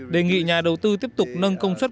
đề nghị nhà đầu tư tiếp tục nâng công suất